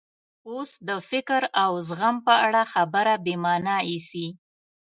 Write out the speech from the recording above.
اوس د فکر او زغم په اړه خبره بې مانا ایسي.